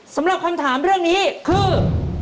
สำหรับคำถามเรื่องนี้คือ